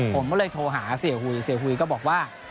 ผมก็เลยโทรหาเสียหุยเสียหุยก็บอกว่า